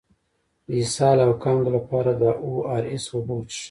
د اسهال او کانګو لپاره د او ار اس اوبه وڅښئ